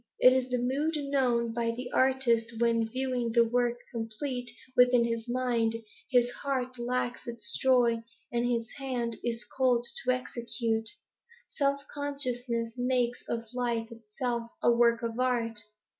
It is the mood known by the artist when, viewing the work complete within his mind, his heart lacks its joy and his hand is cold to execute. Self consciousness makes of life itself a work of art.